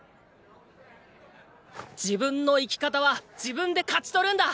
自分の生き方は自分で勝ち取るんだ！